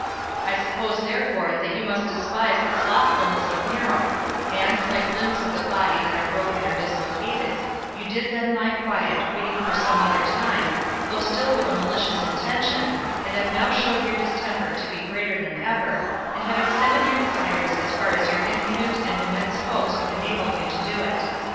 I suppose, therefore, that you might despise the slothfulness of Nero, and, like limbs of the body that are broken or dislocated, you did then lie quiet, waiting for some other time, though still with a malicious intention, and have now showed your distemper to be greater than ever, and have extended your desires as far as your impudent and immense hopes would enable you to do it.